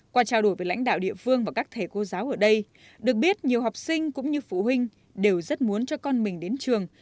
qua trao đổi với lãnh đạo địa phương và các thầy cô giáo ở đây được biết nhiều học sinh cũng như phụ huynh đều rất muốn cho con mình đến trường